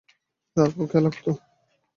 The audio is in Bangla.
তারপর খেল খতম!